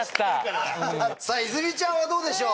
さぁ泉ちゃんはどうでしょう？